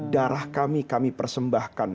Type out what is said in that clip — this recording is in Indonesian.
darah kami kami persembahkan